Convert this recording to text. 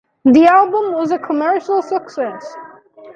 The album was a commercial success.